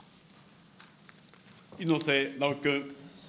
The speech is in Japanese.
猪瀬直樹君。